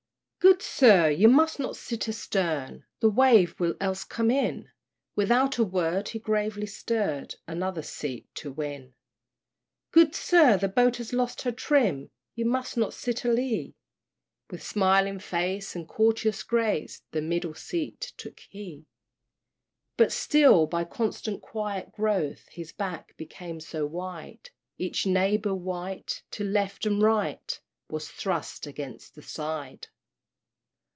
"Good sir, you must not sit a stern, The wave will else come in!" Without a word he gravely stirred, Another seat to win. "Good sir, the boat has lost her trim, You must not sit a lee!" With smiling face and courteous grace, The middle seat took he. But still, by constant quiet growth, His back became so wide, Each neighbor wight, to left and right, Was thrust against the side.